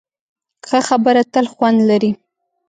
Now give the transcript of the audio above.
ښه خبره تل خوند لري.